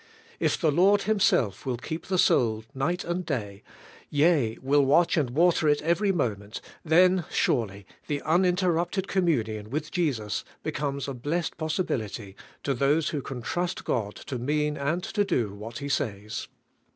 If the Lord Himself will keep the soul night and day, yea, will watch and water it every moment, then surely the uninterrupted com munion with Jesus becomes a blessed possibility to those who can trust God to mean and to do what He says.